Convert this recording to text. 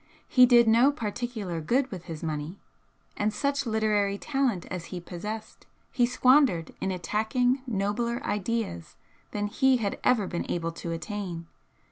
He did no particular good with his money, and such literary talent as he possessed he squandered in attacking nobler ideals than he had ever been able to attain.